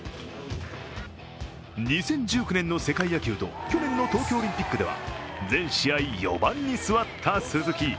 ２０１９年の世界野球と去年の東京オリンピックでは全試合、４番に座った鈴木。